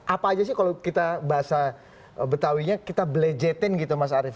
apa aja sih kalau kita bahasa betawinya kita belejetin gitu mas arief